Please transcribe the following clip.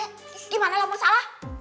gimana lah masalah